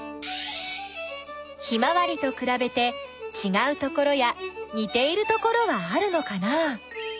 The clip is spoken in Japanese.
ヒマワリとくらべてちがうところやにているところはあるのかな？